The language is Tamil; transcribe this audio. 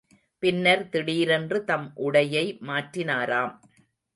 பின்னர், திடீரென்று தம் உடையை மாற்றினாராம்.